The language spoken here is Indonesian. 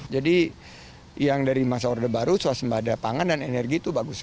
jadi yang dari masa order baru suasana pangan dan energi itu bagus